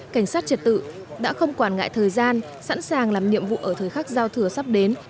cảnh sát trật tự đã không quản ngại thời gian sẵn sàng làm nhiệm vụ ở thời khắc giao thừa sắp đến